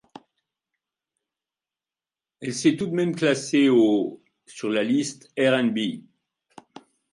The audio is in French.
Elle s’est tout de même classé au sur la liste R&B.